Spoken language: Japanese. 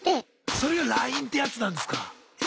それがラインってやつなんですか。